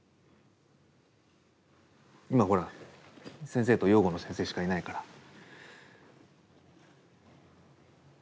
今ほら先生と養護の先生しかいないから。